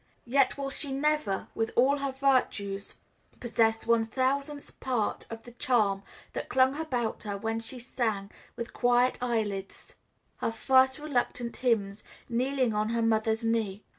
" yet will she never, with all her virtues, possess one thousandth part of the charm that clung about her when she sang, with quiet eyelids, her first reluctant hymns, kneeling on her mother's knees.